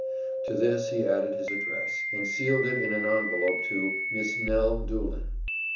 To this he added his address, and sealed it in an envelope to "Miss Nell Doolin."